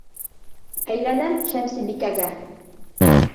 Әйләнәм Шәмсебикәгә!